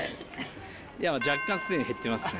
いや、若干すでに減ってますね。